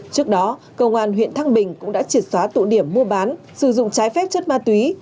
trước đó công an huyện thăng bình cũng đã triệt xóa tụ điểm mua bán sử dụng trái phép chất ma túy